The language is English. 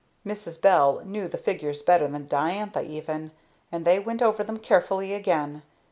Mrs. Bell knew the figures better than Diantha, even, and they went over them carefully again.